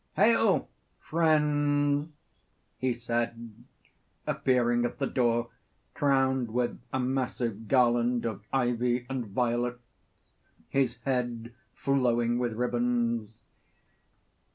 'Hail, friends,' he said, appearing at the door crowned with a massive garland of ivy and violets, his head flowing with ribands.